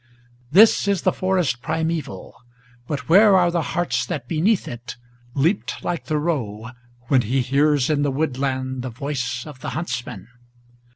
This is the forest primeval; but where are the hearts that beneath it Leaped like the roe, when he hears in the woodland the voice of the huntsman?